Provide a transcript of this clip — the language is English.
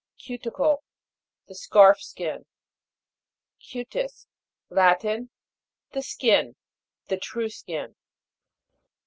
CU'TICLE. The scarf skin. CU'TIS. Latin. The skin : the true skin.